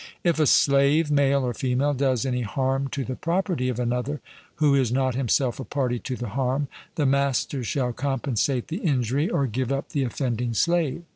If a slave, male or female, does any harm to the property of another, who is not himself a party to the harm, the master shall compensate the injury or give up the offending slave.